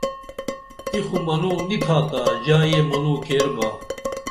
ای خو منوں نی تھاتا ژا یہ منوں کیر با